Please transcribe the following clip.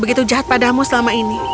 begitu jahat padamu selama ini